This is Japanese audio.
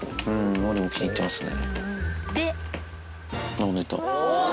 のりも気に入ってますね。